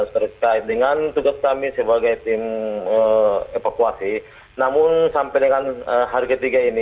terkait dengan tugas kami sebagai tim evakuasi namun sampai dengan hari ketiga ini